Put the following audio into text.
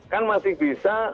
kan masih bisa